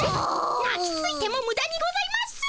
なきついてもむだにございます。